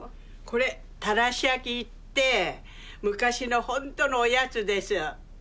これ「たらし焼き」って昔のほんとのおやつです。